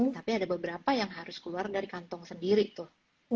tapi ada beberapa yang harus keluar dari kantong sendiri tuh